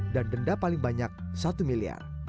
dan denda paling banyak satu miliar